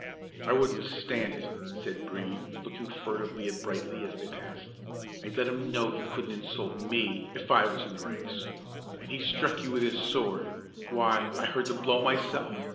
"I wouldn't stand it," said Brede, looking furtively at Brightly as they passed. "I'd let him know he couldn't insult me if I was in the ranks. And he struck you with his sword; why, I heard the blow myself.